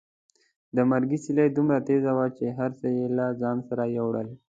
د مرګي سیلۍ دومره تېزه وه چې هر څه یې له ځان سره یوړل.